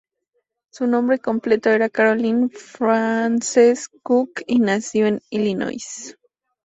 Su nombre completo era Caroline Frances Cooke, y nació en Illinois.